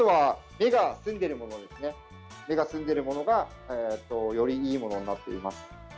目が澄んでいるものがよりいいものになっています。